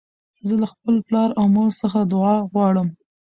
زه له خپل پلار او مور څخه دؤعا غواړم.